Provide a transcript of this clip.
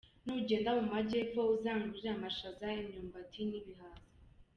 Nugenda mumaajyepfo uzangurire amashaza, imyumbati nibihaza.